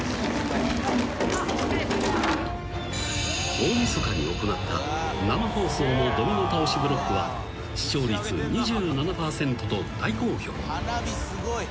［大晦日に行った生放送のドミノ倒しブロックは視聴率２７％と大好評］